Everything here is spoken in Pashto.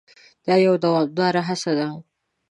دا یوه دوامداره هڅه ده.